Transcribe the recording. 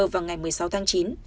vào ngày một mươi sáu tháng chín